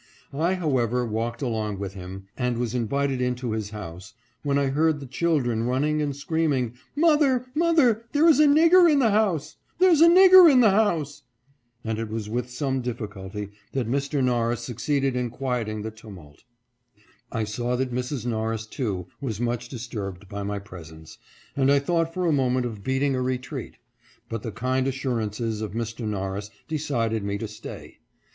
I, however, walked along with him, and was invited into his house, when I heard the children running and screaming, " Mother, mother, there is a nigger in the house ! There's a nigger in the house !" and it was with some difficulty that Mr. Norris succeeded in quieting the tumult. I saw that Mrs. Norris, too, was much disturbed by my presence, and I thought for a moment of beating a retreat; but the kind assurances of Mr. Norris decided me to stay.